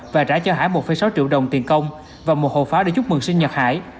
và trả cho hải một sáu triệu đồng tiền công và một hộp pháo để chúc mừng sinh nhật hải